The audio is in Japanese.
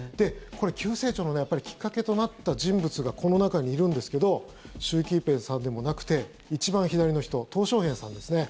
急成長のきっかけとなった人物がこの中にいるんですけど習近平さんでもなくて一番左の人トウ・ショウヘイさんですね。